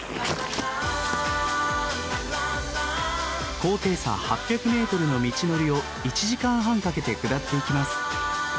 高低差８００ｍの道のりを１時間半かけて下っていきます。